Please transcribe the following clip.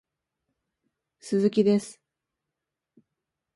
鈴木です